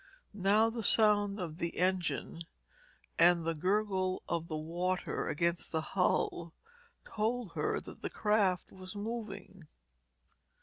Now the sound of the engine and the gurgle of water against the hull told her that the craft was moving.